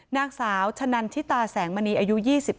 นางสาวชะนันทิตาแสงมณีอายุ๒๙